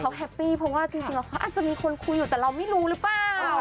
เขาแฮปปี้เพราะว่าจริงแล้วเขาอาจจะมีคนคุยอยู่แต่เราไม่รู้หรือเปล่า